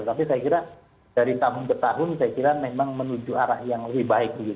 tapi saya kira dari tahun ke tahun saya kira memang menuju arah yang lebih baik